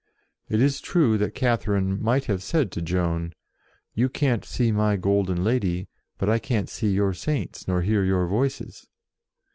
It is true that Catherine might have said to Joan, "You can't see my golden lady, but I can't see your Saints, nor hear your Voices."